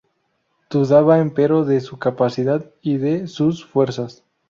Dudaba, empero, de su capacidad y de sus fuerzas.